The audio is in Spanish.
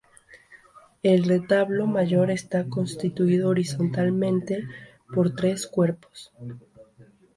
El retablo mayor está constituido horizontalmente por tres cuerpos.